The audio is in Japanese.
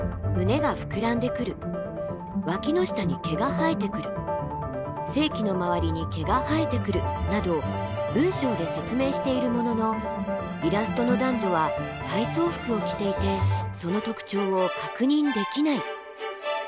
例えばこちらは大人の体の特徴を教える項目。など文章で説明しているもののイラストの男女は体操服を着ていてその特徴を確認できない。